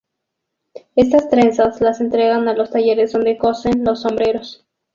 Estas trenzas las entregan a los talleres donde cosen los sombreros.